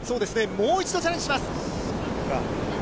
もう一度チャレンジします。